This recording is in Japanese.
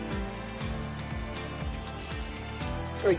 はい。